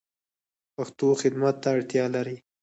پښتو خدمت ته اړتیا لری